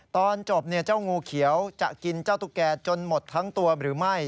ตอนจบเจ้างูเขียวจะกินเจ้าตุ๊กแก่จนหมดทั้งตัวหรือไม่